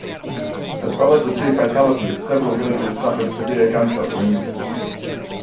As well as the two fatalities several villagers suffered severe gunshot wounds.